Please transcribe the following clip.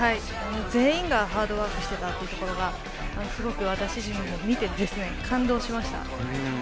全員がハードワークをしていたところがすごく私自身も見てて感動しました。